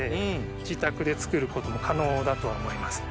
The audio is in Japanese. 自宅で作ることも可能だとは思います。